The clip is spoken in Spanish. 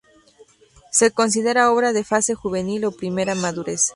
Se considera obra de fase juvenil, o primera madurez.